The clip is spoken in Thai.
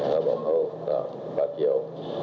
ก็บอกว่ามันก็มีปลาเกียว